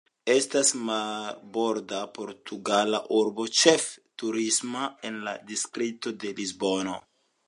Estas marborda portugala urbo, ĉefe turisma, en la distrikto de Lisbono.